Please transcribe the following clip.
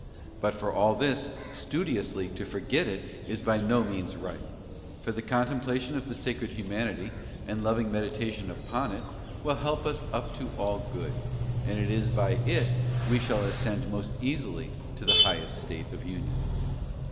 God abides in those who abide in Him, for all this, studiously to forget It is by no means right, for the contemplation of the Sacred Humanity, and loving medi tation upon It, will help us up to all good, and it is by It we shall ascend most easily to the highest state df Union.